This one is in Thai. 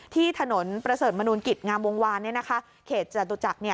ที่ถนนประเสริภมนุนกิตงามวงวานเนี่ยนะคะเขตจาตุจักรเนี่ย